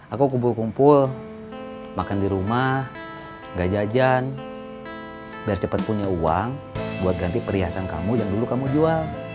aku kumpul kumpul makan di rumah gak jajan biar cepat punya uang buat ganti perhiasan kamu yang dulu kamu jual